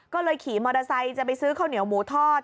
ก็เลยขี่มอเตอร์ไซค์จะไปซื้อข้าวเหนียวหมูทอด